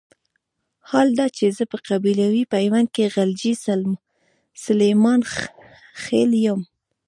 حال دا چې زه په قبيلوي پيوند کې غلجی سليمان خېل يم.